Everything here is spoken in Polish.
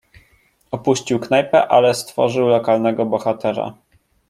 "Opuścił knajpę, ale stworzył lokalnego bohatera."